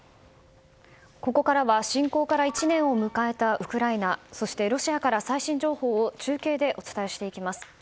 ここからは侵攻から１年を迎えたウクライナそしてロシアから最新情報を中継でお伝えしていきます。